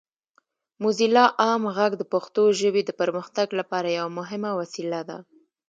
موزیلا عام غږ د پښتو ژبې د پرمختګ لپاره یوه مهمه وسیله ده.